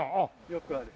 よくある。